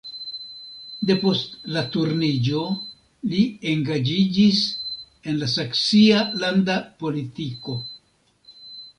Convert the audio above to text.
De post la Turniĝo li engaĝiĝis en la saksia landa politiko.